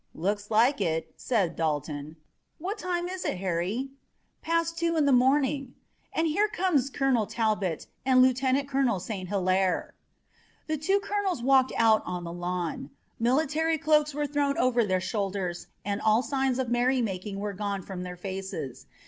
"Looks like it," said Dalton. "What time is it, Harry?" "Past two in the morning, and here comes Colonel Talbot and Lieutenant Colonel St. Hilaire." The two colonels walked out on the lawn. Military cloaks were thrown over their shoulders and all signs of merry making were gone from their faces.